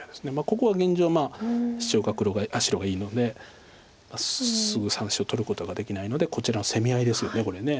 ここは現状シチョウが白がいいのですぐ３子を取ることができないのでこちらの攻め合いですよねこれ。